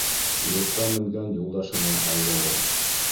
Юрта менгән юлдашынан айырылыр